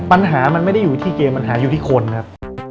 ปัญหามันไม่ได้อยู่ที่เกมปัญหาอยู่ที่คนครับ